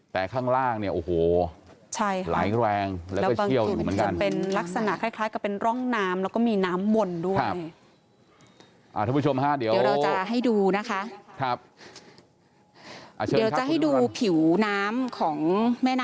แต่ข้างล่างโอ้โฮไหลแรงแล้วก็เชี่ยวอยู่เหมือนกัน